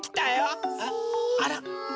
あら。